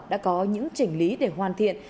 đã có những trình lý để hoàn thiện